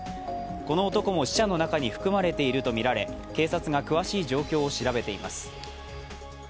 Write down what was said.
この男も死者の中に含まれているみられ、警察が詳しい状況を調べています。